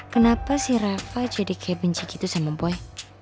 kenapa si reva jadi kayak benci gitu sama boy